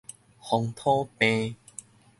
風土病